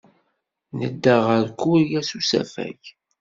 Nedda ɣer Kurya s usafag.